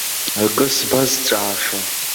Акы сбазҵаашан.